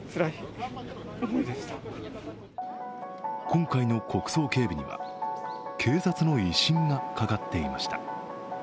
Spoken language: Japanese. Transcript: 今回の国葬警備には警察の威信がかかっていました。